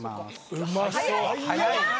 うまそう！